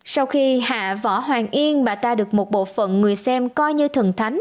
sau khi hạ võ hoàng yên bà ta được một bộ phận người xem coi như thần thánh